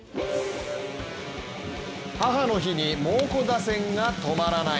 母の日に猛虎打線が止まらない。